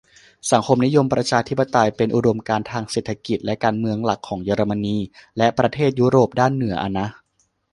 สังคมนิยมประชาธิปไตย เป็นอุดมการณ์ทางเศรษฐกิจและการเมืองหลักของเยอรมนี และประเทศยุโรปด้านเหนือ อะนะ